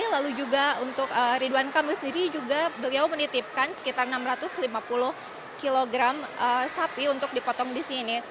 lalu juga untuk ridwan kamil sendiri juga beliau menitipkan sekitar enam ratus lima puluh kg sapi untuk dipotong di sini